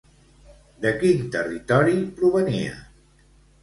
De quin territori provenia?